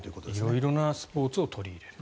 色々なスポーツを取り入れると。